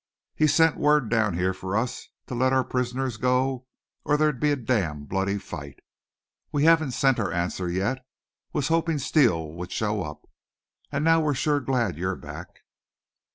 He's sent word down here for us to let our prisoners go or there'd be a damn bloody fight. We haven't sent our answer yet. Was hopin' Steele would show up. An' now we're sure glad you're back."